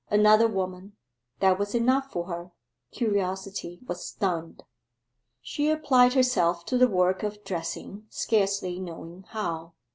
Another woman that was enough for her: curiosity was stunned. She applied herself to the work of dressing, scarcely knowing how.